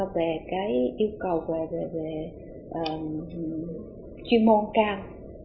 về cái yêu cầu về chuyên môn cao